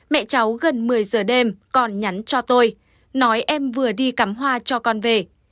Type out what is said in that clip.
mẹ cháu gần một mươi giờ đêm còn nhắn cho tôi nói em vừa đi cắm hoa cho con về